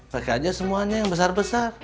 pakai aja semuanya yang besar besar